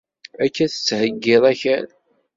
Akka i tettheyyiḍ akal.